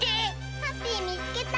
ハッピーみつけた！